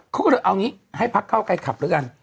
เขาก็เลยเอางี้ให้พักเก้าไกรขับแล้วกัน